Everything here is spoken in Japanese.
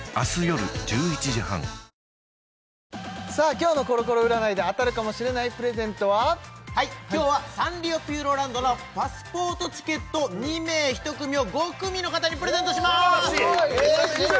今日のコロコロ占いで当たるかもしれないプレゼントははい今日はサンリオピューロランドのパスポートチケット２名１組を５組の方にプレゼントしまーす素晴らしいえっ